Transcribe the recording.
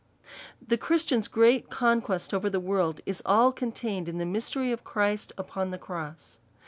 The Christian's great conquest over the world, is all contained in the mystery of Christ upon the cross.